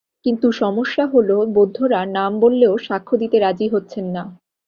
কিন্তু সমস্যা হলো, বৌদ্ধরা নাম বললেও সাক্ষ্য দিতে রাজি হচ্ছেন না।